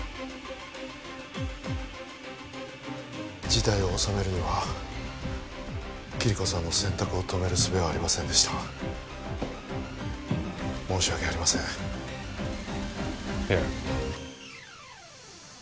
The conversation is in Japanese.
事態を収めるにはキリコさんの選択を止めるすべはありませんでした申し訳ありませんいや